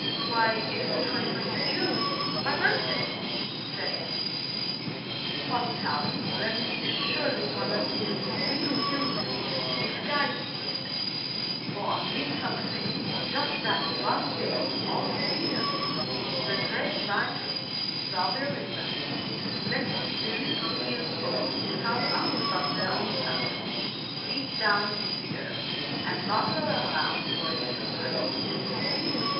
"Why, it is the 2ist of June, my birthday," said Annie. " Potstausend, then it is surely one of the < Little Hill Men' disguised in this way, for on Midsummer day just that one day in all the year the Great Wise Witch, Zauberlinda, lets the little hill folks come up from their own country, 40 ZAUBERLINDA, THE WISE WITCH. deep down in the earth, and wander around for a little time.